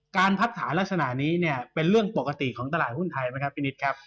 พัดฐานลักษณะนี้เนี่ยเป็นเรื่องปกติของตลาดหุ้นไทยไหมครับพี่นิดครับ